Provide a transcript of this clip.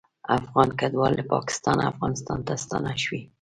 افغان کډوال له پاکستانه افغانستان ته ستانه شوي